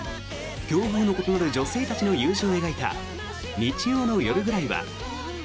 境遇の異なる女性たちの友情を描いた「日曜の夜ぐらいは．．．」。